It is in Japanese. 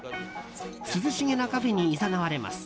涼しげなカフェにいざなわれます。